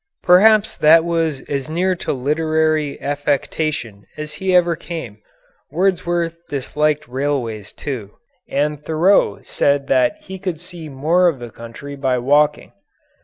Perhaps that was as near to literary affectation as he ever came. Wordsworth disliked railways too, and Thoreau said that he could see more of the country by walking.